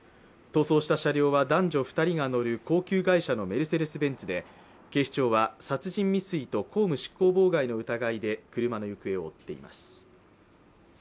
逃走した車両は男女２人が乗る高級外車のメルセデス・ベンツで警視庁は殺人未遂と公務執行妨害の疑いで車の行方を追っています。